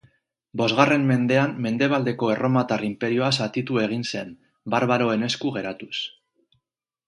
Bosgarren mendean Mendebaldeko Erromatar Inperioa zatitu egin zen, barbaroen esku geratuz.